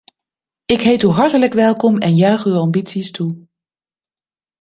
Ik heet u hartelijk welkom en juich uw ambities toe.